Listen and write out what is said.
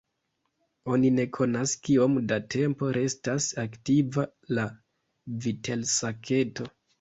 Oni ne konas kiom da tempo restas aktiva la vitelsaketo.